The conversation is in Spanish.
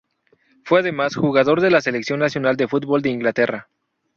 Fue además, jugador de la Selección nacional de fútbol de Inglaterra.